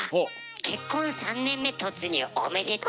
結婚３年目突入おめでとう。